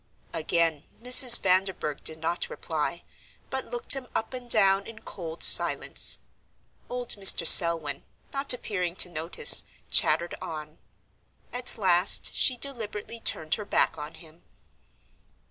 Again Mrs. Vanderburgh did not reply, but looked him up and down in cold silence. Old Mr. Selwyn, not appearing to notice, chattered on. At last she deliberately turned her back on him.